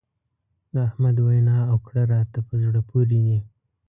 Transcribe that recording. د احمد وينا او کړه راته په زړه پورې دي.